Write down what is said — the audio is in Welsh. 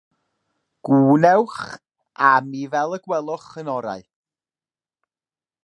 Gwnewch â mi fel y gweloch yn orau.